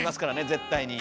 絶対に。